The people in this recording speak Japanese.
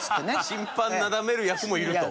審判なだめる役もいると。